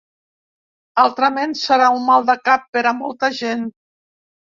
Altrament, serà un maldecap per a molta gent.